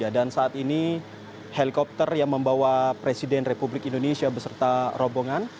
dan saat ini helikopter yang membawa presiden republik indonesia beserta robongan